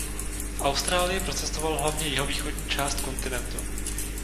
V Austrálii procestoval hlavně jihovýchodní část kontinentu.